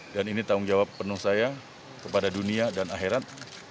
dan ini tanggung jawab penuh saya kepada dunia dan akhirat